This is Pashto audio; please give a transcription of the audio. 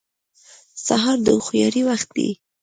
سهار د هوښیارۍ وخت دی.